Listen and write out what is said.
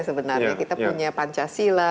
sebenarnya kita punya pancasila